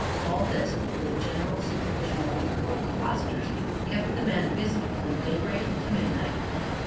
All this, with a general supervision over the girl compositors, kept the man busy from daybreak to midnight.